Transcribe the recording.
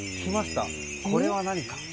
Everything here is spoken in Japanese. これは何か？